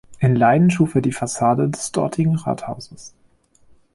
In Leiden schuf er die Fassade des dortigen Rathauses.